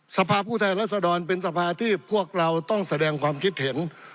สภาพผู้แทนรัศดรเป็นสภาที่พวกเราต้องแสดงความคิดเห็น